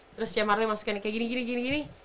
terus ce marlien masukin kayak gini gini